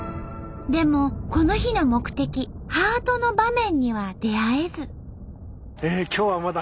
でもこの日の目的ハートの場面には出会えず。